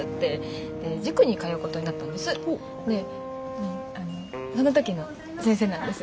でその時の先生なんです。